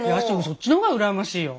そっちの方が羨ましいよ。